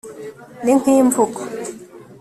ninkimvugo